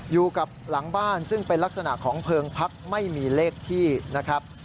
อยู่กับหลังบ้านซึ่งเป็นลักษณะของเพลิงพักไม่มีเลขที่นะครับ